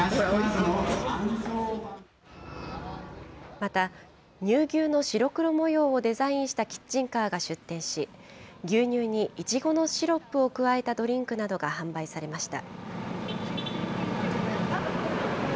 また、乳牛の白黒模様をデザインしたキッチンカーが出店し、牛乳にイチゴのシロップを加えたドリンクなどが販売されました。